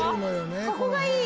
ここがいい！